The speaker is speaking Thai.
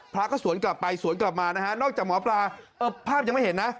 พระก็สวนกลับไปสวนกลับมานะฮะนอกจากหมอปลาเออภาพยังไม่เห็นนะ